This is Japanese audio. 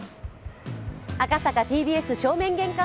赤坂ＴＢＳ正面玄関